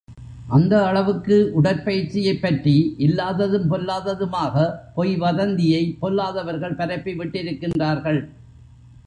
அந்த அளவுக்கு உடற்பயிற்சியைப் பற்றி இல்லாததும் பொல்லாததுமாக, பொய் வதந்தியை பொல்லாதவர்கள் பரப்பி விட்டிருக்கின்றார்கள்.